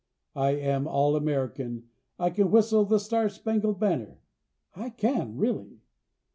I am all American. I can whistle the "Star Spangled Banner," I can, really!